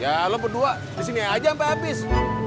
ya lo berdua di sini aja sampe habis